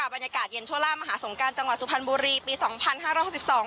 บรรยากาศเย็นชั่วล่ามหาสงการจังหวัดสุพรรณบุรีปีสองพันห้าร้อยหกสิบสอง